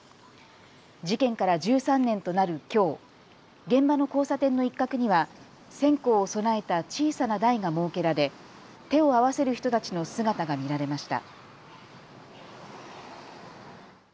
事件から１３年となるきょう、現場の交差点の一角には線香を供えた小さな台が設けられ手を合わせる人たちの姿が見られました。